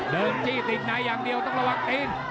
จี้ติดในอย่างเดียวต้องระวังตีน